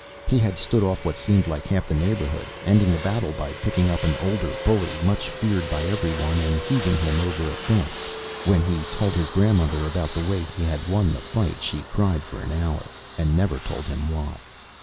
He had stood off what seemed like half the neighborhood, ending the battle by picking up an older bully, much feared by everyone, and heaving him over a fence. When he told his grandmother about the way he had won the fight she cried for an hour, and never told him why.